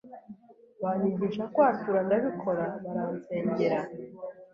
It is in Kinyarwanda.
banyigisha kwatura ndabikora baransengera,